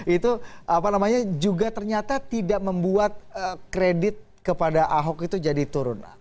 itu apa namanya juga ternyata tidak membuat kredit kepada ahok itu jadi turun